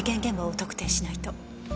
現場を特定しないと。